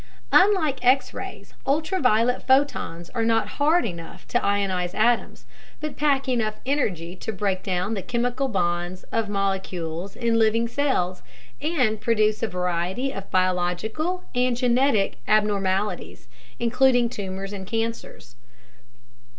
Unlike X rays, ultraviolet photons are not "hard" enough to ionize atoms, but pack enough energy to break down the chemical bonds of molecules in living cells and produce a variety of biological and genetic abnormalities, including tumors and cancers.